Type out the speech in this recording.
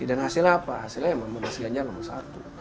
dan hasilnya apa hasilnya memang mbak ganjar nomor satu